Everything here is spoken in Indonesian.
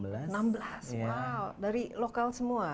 enam belas wow dari lokal semua